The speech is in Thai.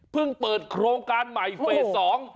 เปิดโครงการใหม่เฟส๒